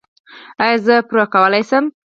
ایا زه پور کولی شم؟